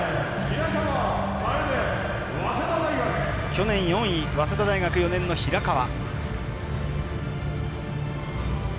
去年４位、早稲田大学４年の平河。